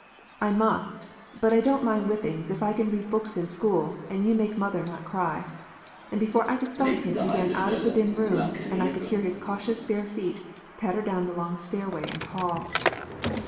"I must, but I don't mind whippings if I can read books in school and you make mother not cry," and before I could stop him he ran out of the dim room and I could hear his cautious bare feet patter down the long stairway and hall.